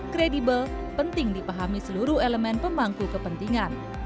kredibel penting dipahami seluruh elemen pemangku kepentingan